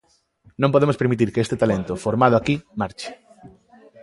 Non podemos permitir que este talento, formado aquí, marche.